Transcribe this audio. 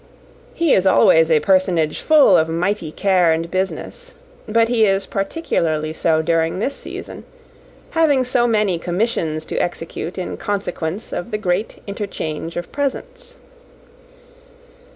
He is always a personage full of mighty care and business, but he is particularly so during this season, having so many commissions to execute in consequence of the great interchange of presents.